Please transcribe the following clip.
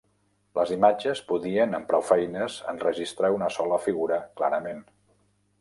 Les imatges podien en prou feines enregistrar una sola figura clarament.